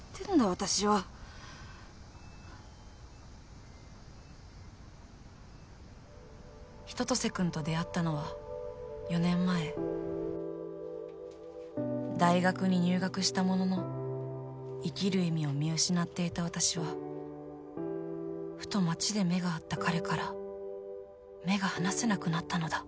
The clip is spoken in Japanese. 私は春夏秋冬君と出会ったのは４年前大学に入学したものの生きる意味を見失っていた私はふと街で目が合った彼から目が離せなくなったのだ